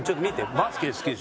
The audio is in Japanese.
バスケ好きでしょ？